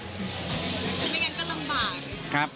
สิ่งไม่กันก็ลำบาก